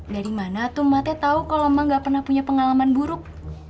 dari mana tuh emak teh tau kalau emak gak pernah punya pengalaman buruk